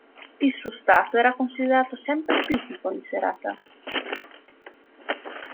Il suo stato era considerato sempre critico in serata.